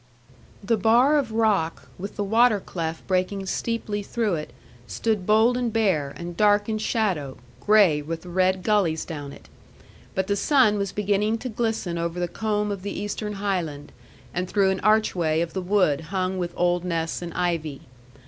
The bar of rock, with the water cleft breaking steeply through it, stood bold and bare, and dark in shadow, grey with red gullies down it. But the sun was beginning to glisten over the comb of the eastern highland, and through an archway of the wood hung with old nests and ivy.